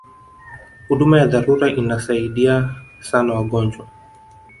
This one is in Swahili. huduma ya dharura inasaidian sana wagonjwa